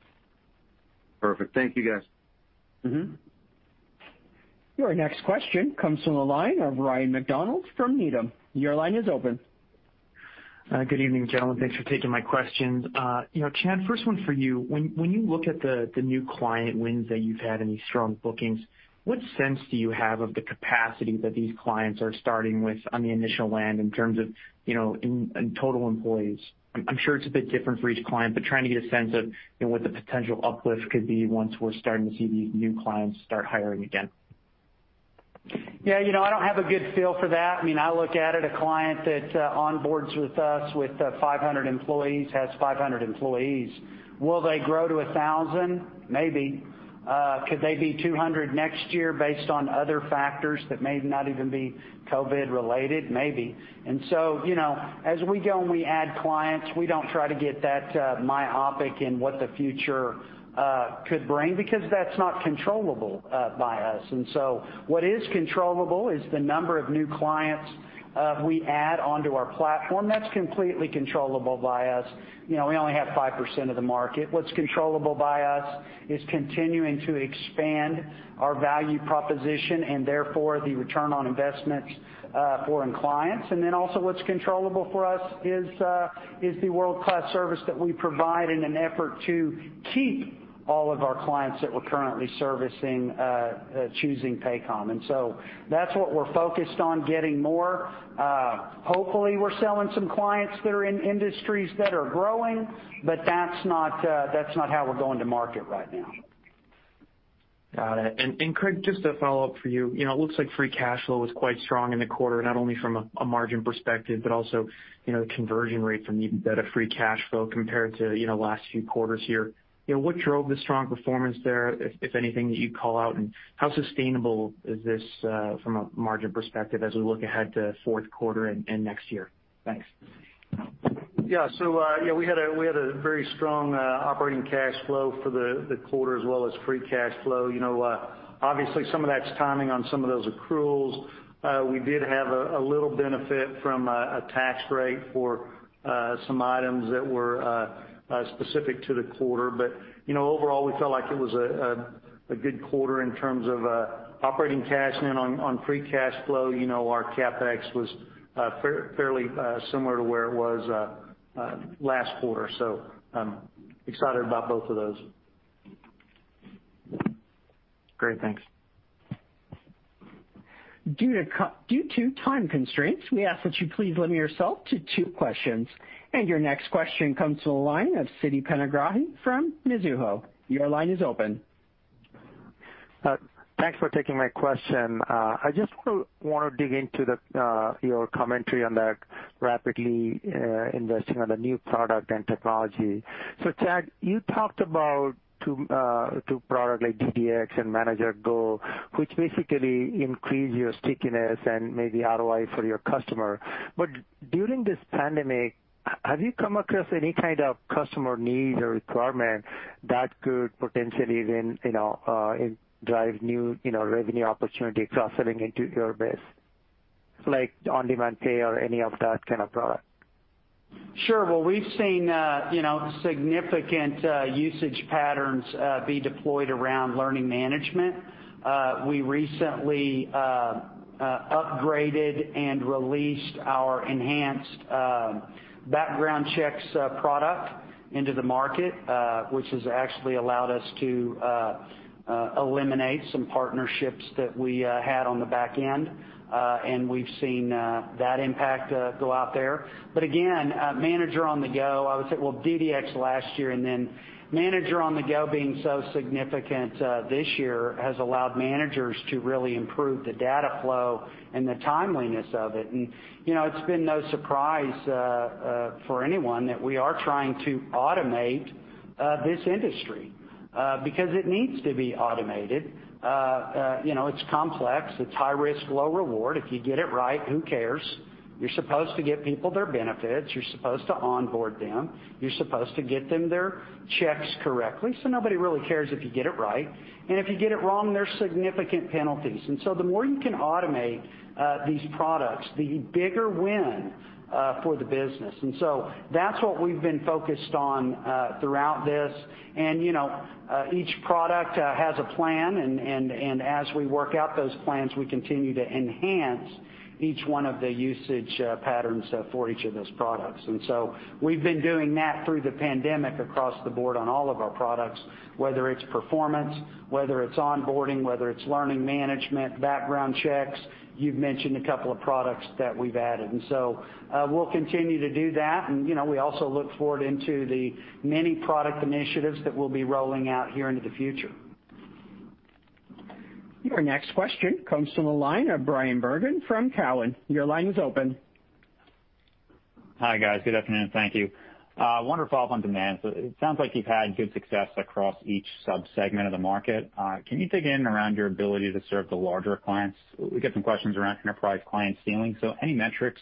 Perfect. Thank you, guys. Your next question comes from the line of Ryan MacDonald from Needham & Company. Good evening, gentlemen. Thanks for taking my questions. Chad, first one for you. When you look at the new client wins that you've had and these strong bookings, what sense do you have of the capacity that these clients are starting with on the initial land in terms of in total employees? I'm sure it's a bit different for each client, but trying to get a sense of what the potential uplift could be once we're starting to see these new clients start hiring again. Yeah, I don't have a good feel for that. I look at it, a client that onboards with us with 500 employees, has 500 employees. Will they grow to 1,000? Maybe. Could they be 200 next year based on other factors that may not even be COVID related? Maybe. As we go and we add clients, we don't try to get that myopic in what the future could bring, because that's not controllable by us. What is controllable is the number of new clients we add onto our platform. That's completely controllable by us. We only have 5% of the market. What's controllable by us is continuing to expand our value proposition, and therefore, the return on investment for clients. Also what's controllable for us is the world-class service that we provide in an effort to keep all of our clients that we're currently servicing, choosing Paycom. That's what we're focused on getting more. Hopefully, we're selling some clients that are in industries that are growing, but that's not how we're going to market right now. Got it. Craig, just a follow-up for you. It looks like free cash flow was quite strong in the quarter, not only from a margin perspective, but also conversion rate from EBITDA free cash flow compared to last few quarters here. What drove the strong performance there, if anything, that you'd call out, and how sustainable is this from a margin perspective as we look ahead to fourth quarter and next year? Thanks. We had a very strong operating cash flow for the quarter, as well as free cash flow. Obviously, some of that's timing on some of those accruals. We did have a little benefit from a tax rate for some items that were specific to the quarter. Overall, we felt like it was a good quarter in terms of operating cash. On free cash flow, our CapEx was fairly similar to where it was last quarter. Excited about both of those. Great. Thanks. Due to time constraints, we ask that you please limit yourself to two questions. Your next question comes to the line of Siti Panigrahi from Mizuho. Your line is open. Thanks for taking my question. I just want to dig into your commentary on the rapidly investing on the new product and technology. Chad, you talked about two product, like DDX and Manager Go, which basically increase your stickiness and maybe ROI for your customer. During this pandemic, have you come across any kind of customer need or requirement that could potentially then drive new revenue opportunity cross-selling into your base, like on-demand pay or any of that kind of product? Sure. Well, we've seen significant usage patterns be deployed around learning management. We recently upgraded and released our enhanced background checks product into the market, which has actually allowed us to eliminate some partnerships that we had on the back end. We've seen that impact go out there. Again, Manager on-the-Go, I would say well, Direct Data Exchange last year, then Manager on-the-Go being so significant this year has allowed managers to really improve the data flow and the timeliness of it. It's been no surprise for anyone that we are trying to automate this industry, because it needs to be automated. It's complex. It's high risk, low reward. If you get it right, who cares? You're supposed to give people their benefits. You're supposed to onboard them. You're supposed to get them their checks correctly. Nobody really cares if you get it right. If you get it wrong, there's significant penalties. The more you can automate these products, the bigger win for the business. That's what we've been focused on throughout this. Each product has a plan, and as we work out those plans, we continue to enhance each one of the usage patterns for each of those products. We've been doing that through the pandemic, across the board on all of our products, whether it's performance, whether it's onboarding, whether it's learning management, background checks. You've mentioned a couple of products that we've added. We'll continue to do that, and we also look forward into the many product initiatives that we'll be rolling out here into the future. Your next question comes from the line of Bryan Bergin from TD Cowen. Your line is open. Hi, guys. Good afternoon. Thank you. I wanted to follow up on demand. It sounds like you've had good success across each sub-segment of the market. Can you dig in around your ability to serve the larger clients? We get some questions around enterprise client ceilings, any metrics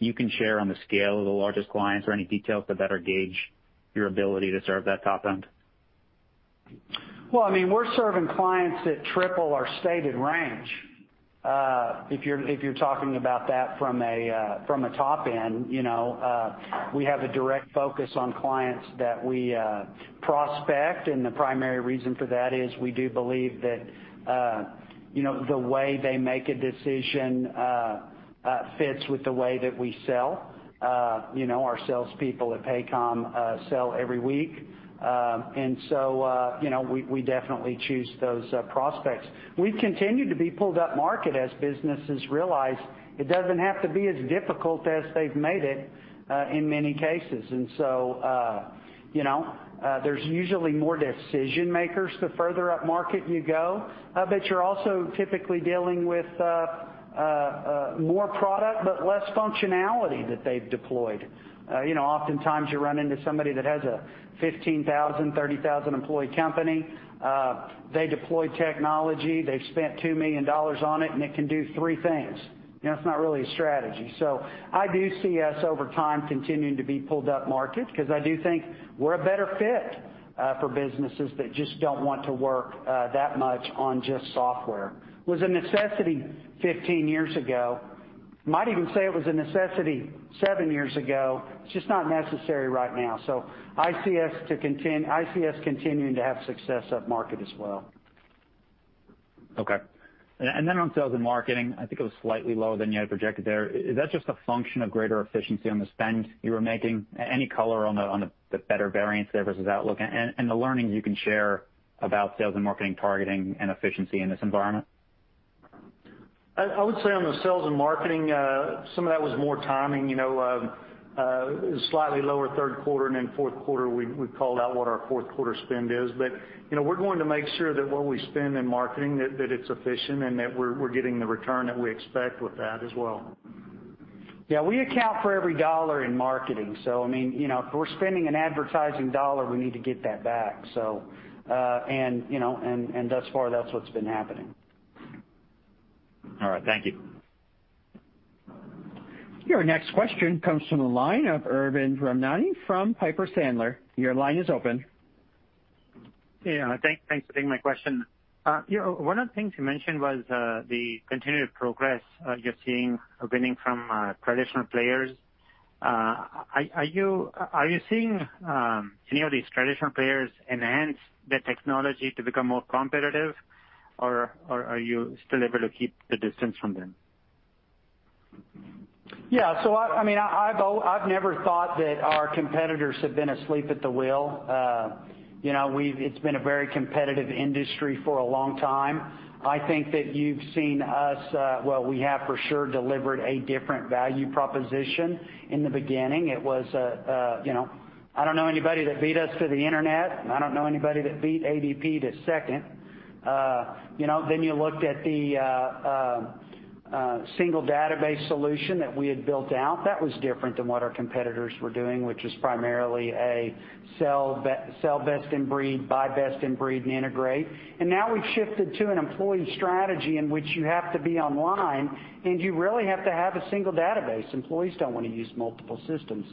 you can share on the scale of the largest clients or any details to better gauge your ability to serve that top end? Well, we're serving clients that triple our stated range. If you're talking about that from a top end. We have a direct focus on clients that we prospect, and the primary reason for that is we do believe that the way they make a decision fits with the way that we sell. Our salespeople at Paycom sell every week. We definitely choose those prospects. We've continued to be pulled up market as businesses realize it doesn't have to be as difficult as they've made it in many cases. There's usually more decision makers the further up market you go. You're also typically dealing with more product, but less functionality that they've deployed. Oftentimes, you run into somebody that has a 15,000, 30,000 employee company. They deploy technology, they've spent $2 million on it, and it can do three things. It's not really a strategy. I do see us over time continuing to be pulled up market, because I do think we're a better fit for businesses that just don't want to work that much on just software. It was a necessity 15 years ago. I might even say it was a necessity seven years ago. It's just not necessary right now. I see us continuing to have success up market as well. Okay. On sales and marketing, I think it was slightly lower than you had projected there. Is that just a function of greater efficiency on the spend you were making? Any color on the better variance there versus outlook and the learnings you can share about sales and marketing targeting and efficiency in this environment? I would say on the sales and marketing, some of that was more timing. Slightly lower third quarter and then fourth quarter, we called out what our fourth quarter spend is. We're going to make sure that what we spend in marketing, that it's efficient and that we're getting the return that we expect with that as well. Yeah. We account for every dollar in marketing. If we're spending an advertising dollar, we need to get that back. Thus far, that's what's been happening. All right. Thank you. Your next question comes from the line of Arvind Ramnani from Piper Sandler. Your line is open. Yeah. Thanks for taking my question. One of the things you mentioned was the continued progress you're seeing winning from traditional players. Are you seeing any of these traditional players enhance their technology to become more competitive, or are you still able to keep the distance from them? Yeah. I've never thought that our competitors have been asleep at the wheel. It's been a very competitive industry for a long time. I think that you've seen us Well, we have for sure delivered a different value proposition. In the beginning, it was, I don't know anybody that beat us to the internet, and I don't know anybody that beat ADP to second. You looked at the single database solution that we had built out. That was different than what our competitors were doing, which was primarily a sell best-in-breed, buy best-in-breed, and integrate. Now we've shifted to an employee strategy in which you have to be online, and you really have to have a single database. Employees don't want to use multiple systems.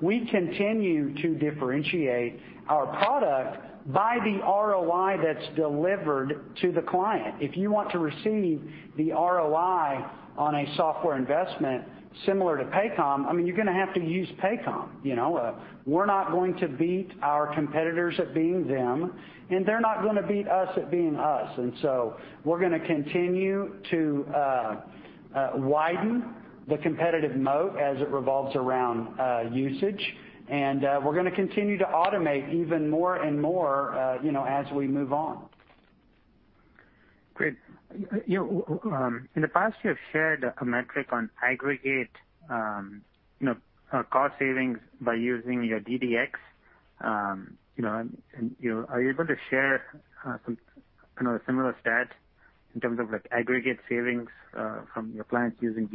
We continue to differentiate our product by the ROI that's delivered to the client. If you want to receive the ROI on a software investment similar to Paycom, you're going to have to use Paycom. We're not going to beat our competitors at being them, and they're not going to beat us at being us. We're going to continue to widen the competitive moat as it revolves around usage, and we're going to continue to automate even more and more as we move on. Great. In the past, you have shared a metric on aggregate cost savings by using your DDX. Are you able to share some similar stat in terms of aggregate savings from your clients using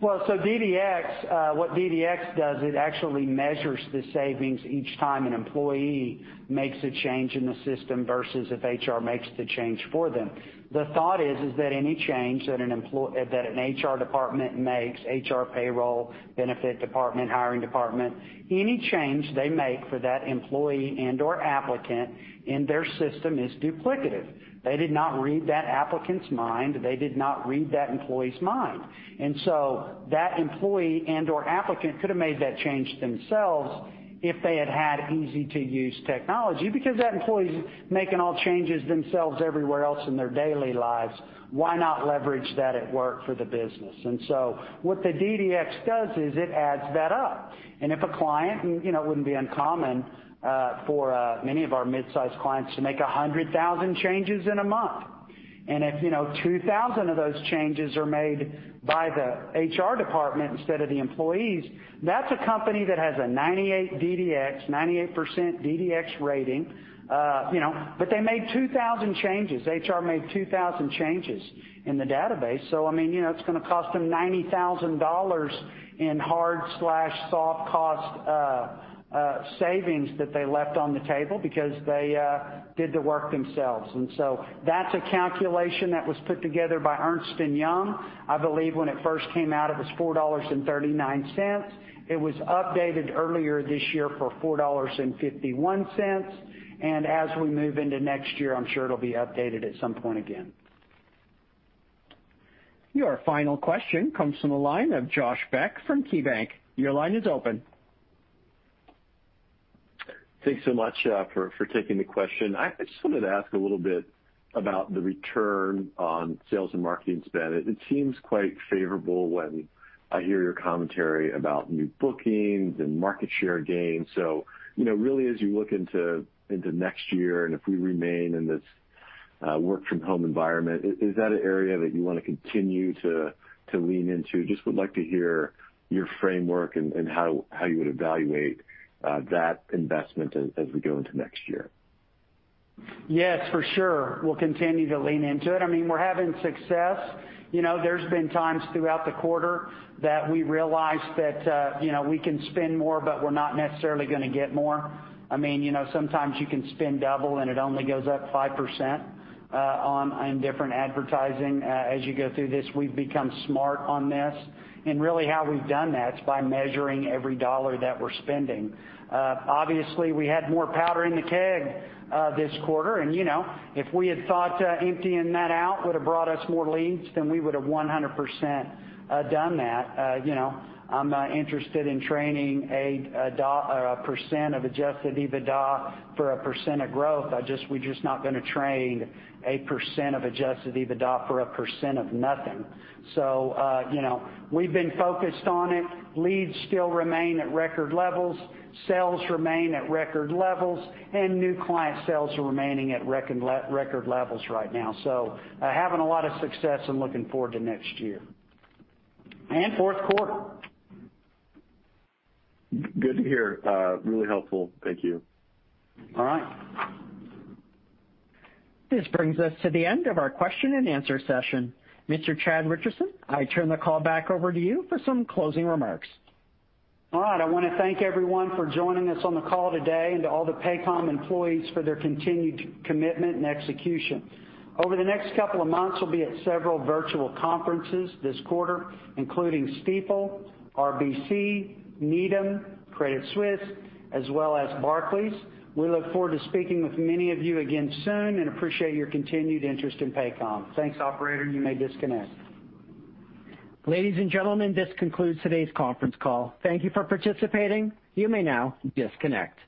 DDX? What DDX does, it actually measures the savings each time an employee makes a change in the system versus if HR makes the change for them. The thought is that any change that an HR department makes, HR payroll, benefit department, hiring department, any change they make for that employee and/or applicant in their system is duplicative. They did not read that applicant's mind. They did not read that employee's mind. That employee and/or applicant could have made that change themselves if they had had easy-to-use technology, because that employee's making all changes themselves everywhere else in their daily lives. Why not leverage that at work for the business? What the DDX does is it adds that up. If a client, it wouldn't be uncommon for many of our midsize clients to make 100,000 changes in a month. If 2,000 of those changes are made by the HR department instead of the employees, that's a company that has a 98 DDX, 98% DDX rating. They made 2,000 changes. HR made 2,000 changes in the database. It's going to cost them $90,000 in hard/soft cost savings that they left on the table because they did the work themselves. That's a calculation that was put together by Ernst & Young. I believe when it first came out, it was $4.39. It was updated earlier this year for $4.51. As we move into next year, I'm sure it'll be updated at some point again. Your final question comes from the line of Josh Beck from KeyBanc Capital Markets. Your line is open. Thanks so much for taking the question. I just wanted to ask a little bit about the return on sales and marketing spend. It seems quite favorable when I hear your commentary about new bookings and market share gains. Really as you look into next year, and if we remain in this work-from-home environment, is that an area that you want to continue to lean into? Just would like to hear your framework and how you would evaluate that investment as we go into next year. Yes, for sure. We'll continue to lean into it. We're having success. There's been times throughout the quarter that we realized that we can spend more, but we're not necessarily going to get more. Sometimes you can spend double, and it only goes up 5% on different advertising. As you go through this, we've become smart on this. Really how we've done that is by measuring every dollar that we're spending. Obviously, we had more powder in the keg this quarter, and if we had thought emptying that out would have brought us more leads, then we would have 100% done that. I'm not interested in trading a percent of adjusted EBITDA for a percent of growth. We're just not going to trade a percent of adjusted EBITDA for a percent of nothing. We've been focused on it. Leads still remain at record levels, sales remain at record levels, and new client sales are remaining at record levels right now. Having a lot of success and looking forward to next year and fourth quarter. Good to hear. Really helpful. Thank you. All right. This brings us to the end of our question and answer session. Mr. Chad Richison, I turn the call back over to you for some closing remarks. All right. I want to thank everyone for joining us on the call today and to all the Paycom employees for their continued commitment and execution. Over the next couple of months, we'll be at several virtual conferences this quarter, including Stifel, RBC, Needham, Credit Suisse, as well as Barclays. We look forward to speaking with many of you again soon and appreciate your continued interest in Paycom. Thanks, operator. You may disconnect. Ladies and gentlemen, this concludes today's conference call. Thank you for participating. You may now disconnect.